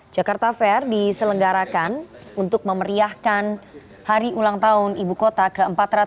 jakarta fair diselenggarakan untuk memeriahkan hari ulang tahun ibu kota ke empat ratus dua puluh